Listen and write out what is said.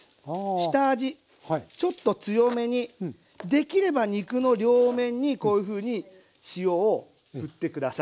下味ちょっと強めにできれば肉の両面にこういうふうに塩を振って下さい。